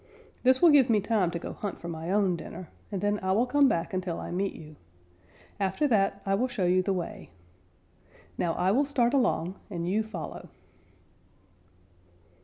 This will give me time to go hunt for my own dinner, and then I will come back until I meet you. After that, I will show you the way. Now I will start along and you follow."